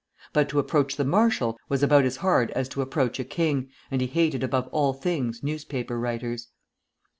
But to approach the marshal was about as hard as to approach a king, and he hated above all things newspaper writers.